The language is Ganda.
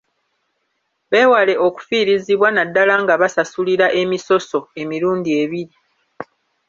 Beewale okufiirizibwa naddala nga basasulira emisoso emirundi ebiri.